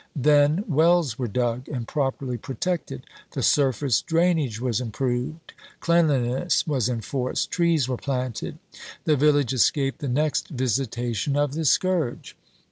Then wells were dug and properly protected; the surface drainage was improved; cleanliness was enforced; trees were planted. The village escaped the next visitation of the scourge.